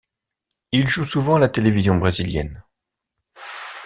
Il joue souvent à la télévision brésilienne.